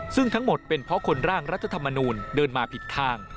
ซึ่งทั้งหมดเป็นเพราะคนร่างรัฐธรรมนูลเดินมาผิดทาง